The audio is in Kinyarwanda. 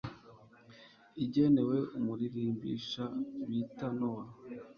igenewe umuririmbisha bita nowa